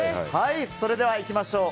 それではいきましょう。